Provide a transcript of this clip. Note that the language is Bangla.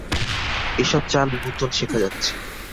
এ-সব চাল নূতন শেখা যাচ্ছে।